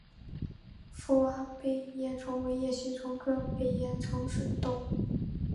覆瓦背叶虫为叶须虫科背叶虫属的动物。